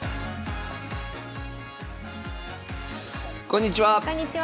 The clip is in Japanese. こんにちは。